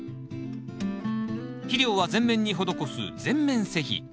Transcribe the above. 肥料は全面に施す全面施肥。